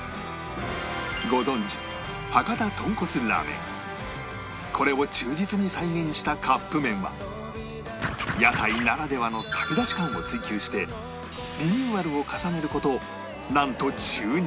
ご存じこれを忠実に再現したカップ麺は屋台ならではの炊き出し感を追求してリニューアルを重ねる事なんと１２回